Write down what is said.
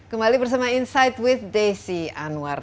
kembali bersama insight with desi anwar